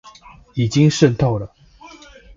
已經滲透了